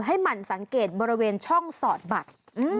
หมั่นสังเกตบริเวณช่องสอดบัตร